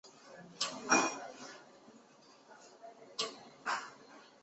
景栋机场位于亚洲的缅甸之东方的掸邦的景栋。